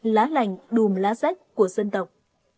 lá lành đùm lá sách của dân tộc